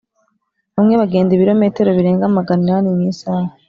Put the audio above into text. bamwe bagenda ibirometero birenga magana inani mu isaha.